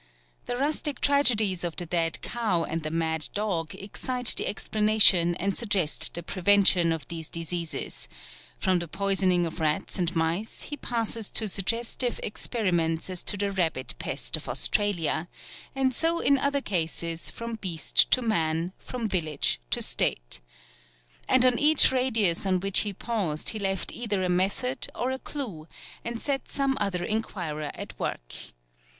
The rustic tragedies of the dead cow and the mad dog excite the explanation and suggest the prevention, of these disasters; from the poisoning of rats and mice he passes to suggestive experiments as to the rabbit pest of Australia, and so in other cases from beast to man, from village to state. And on each radius on which he paused he left either a method or a clew, and set some other inquirer at work.